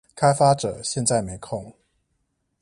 開發者現在沒空